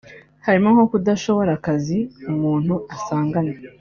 harimo nko kudashobora akazi umuntu asanganywe